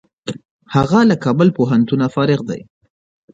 هغه له کابل پوهنتونه فارغ دی.